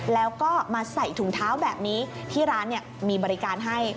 แล้วก็มาใส่ถุงเท้าแบบนี้ที่ร้านมีบริการให้